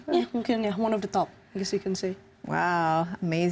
ya mungkin ya salah satu di atas